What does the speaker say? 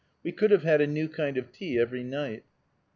We could have had a new kind of tea every night.